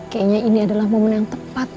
kayaknya ini adalah momen yang tepat